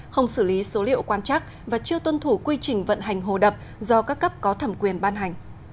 không xử lý số liệu quan chắc và chưa tuân thủ quy trình vận hành hồ đập do các cấp có thẩm quyền ban hành